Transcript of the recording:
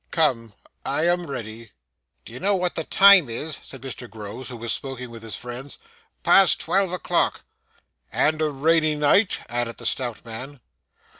Come, I am ready.' 'Do you know what the time is?' said Mr Groves, who was smoking with his friends. 'Past twelve o'clock '' And a rainy night,' added the stout man.